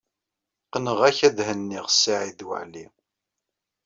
Qqneɣ-ak ad henniɣ Saɛid Waɛli.